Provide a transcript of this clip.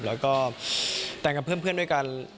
แล้วก็แต่งกับเพื่อนด้วยกัน